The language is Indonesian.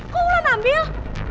kok ulan ambil